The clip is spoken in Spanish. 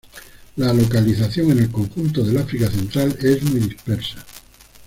La localización en el conjunto del África Central es muy dispersa.